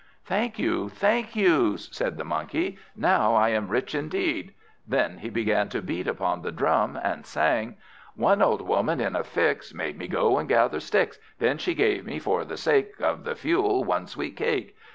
"Thank you, thank you!" said the Monkey. "Now I am rich indeed!" Then he began to beat upon the drum, and sang: "One old Woman, in a fix, Made me go and gather sticks; Then she gave me, for the sake Of the fuel, one sweet cake.